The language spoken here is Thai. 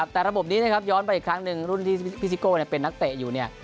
แต่ระบบนี้นะครับย้อนไปอีกครั้งหนึ่งรุ่นที่พี่ซิโก้เป็นนักเตะอยู่เนี่ย